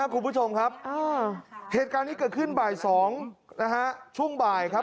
คุณผู้ชมครับเหตุการณ์นี้เกิดขึ้นบ่าย๒นะฮะช่วงบ่ายครับ